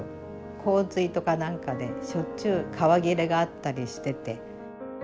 洪水とか何かでしょっちゅう川切れがあったりしてて。